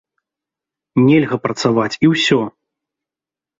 Нельга працаваць і ўсё.